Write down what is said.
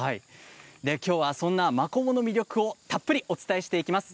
今日はそんなマコモの魅力をたっぷりお伝えしていきます。